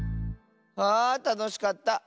あたのしかった。